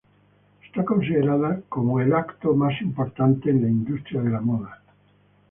Es considerada como el evento más importante en la industria de la moda.